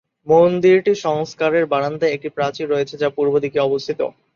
মন্দিরটি সংস্কারের বারান্দায় একটি প্রাচীর রয়েছে, যা পূর্ব দিকে অবস্থিত।